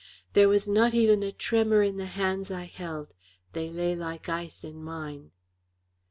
There was not even a tremor in the hands I held; they lay like ice in mine.